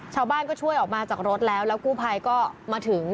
ชาวบ้านก็ช่วยออกมาจากรถแล้วแล้วกู้ภัยก็มาถึง